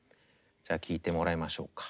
じゃあ聴いてもらいましょうか。